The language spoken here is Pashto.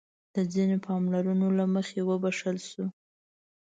د ځينو پاملرنو له مخې وبښل شو.